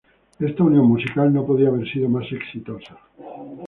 Esta unión musical no podría haber sido más exitosa.